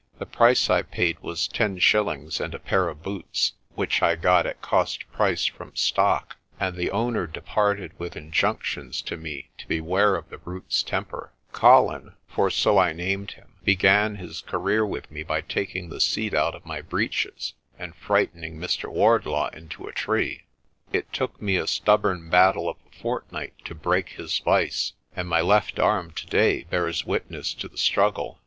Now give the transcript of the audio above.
The price I paid was ten shillings and a pair of boots, which I got at cost price from stock, and the owner departed with injunc tions to me to beware of the brute's temper. Colin for BLAAUWILDEBEESTEFONTEIN 49 so I named him began his career with me by taking the seat out of my breeches and frightening Mr. Wardlaw into a tree. It took me a stubborn battle of a fortnight to break his vice, and my left arm today bears witness to the strug gle.